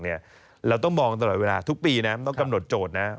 เราต้องมองตลอดเวลาทุกปีนะต้องกำหนดโจทย์นะ